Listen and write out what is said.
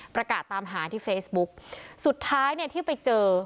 ประกาศตามหาที่เฟซบุ๊กสุดท้ายเนี่ยที่ไปเจอ